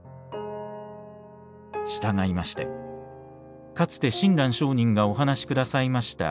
したがいましてかつて親鸞聖人がお話しくださいました